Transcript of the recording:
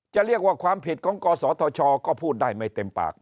จะเรียกว่าความผิดของกศธชก็พูดได้ไม่เต็มปาก